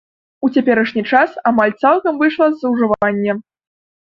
У цяперашні час амаль цалкам выйшла з ужывання.